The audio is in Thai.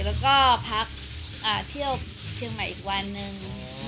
แล้วก็พักเที่ยวเชียงใหม่อีกวันหนึ่ง